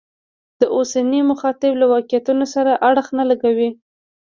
د اوسني مخاطب له واقعیتونو سره اړخ نه لګوي.